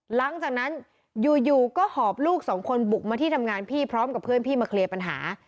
หลังจากนั้นอยู่ก็หอบลูกสองคนบุกมาที่ทำงานพี่พร้อมกับเพื่อนพี่มาเคลียร์ปัญหา